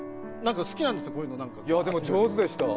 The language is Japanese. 好きなんですよ、こういうの上手でした。